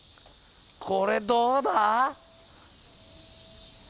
これどうだ？